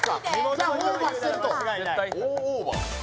じゃあオーバーしてると大オーバー